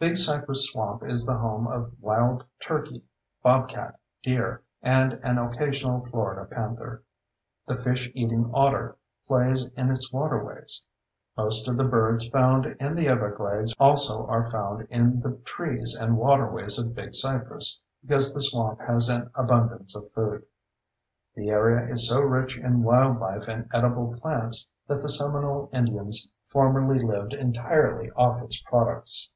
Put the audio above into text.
Big Cypress Swamp is the home of wild turkey, bobcat, deer, and an occasional Florida panther. The fish eating otter plays in its waterways. Most of the birds found in the everglades also are found in the trees and waterways of Big Cypress, because the swamp has an abundance of food. The area is so rich in wildlife and edible plants that the Seminole Indians formerly lived entirely off its products.